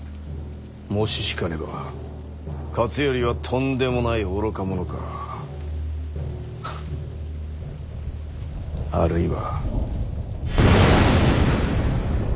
もし引かねば勝頼はとんでもない愚か者かハッあるいは。